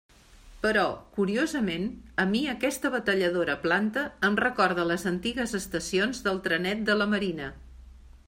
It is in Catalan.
Però, curiosament, a mi aquesta batalladora planta em recorda les antigues estacions del Trenet de la Marina.